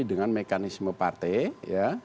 dengan mekanisme partai